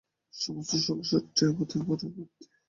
সমস্ত সংসারটাই আমাদের মনের মধ্যে।